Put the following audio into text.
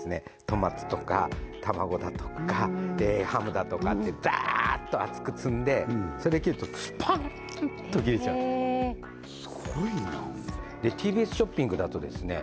トマトとか卵だとかハムだとかってダーッと厚く積んでそれで切るとスパンッと切れちゃうすごいなＴＢＳショッピングだとですね